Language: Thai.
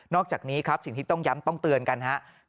อกจากนี้ครับสิ่งที่ต้องย้ำต้องเตือนกันครับ